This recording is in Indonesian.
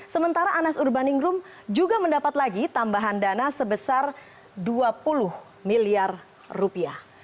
sementara anas urbaningrum juga mendapat lagi tambahan dana sebesar dua puluh miliar rupiah